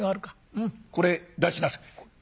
うんこれへ出しなさい」。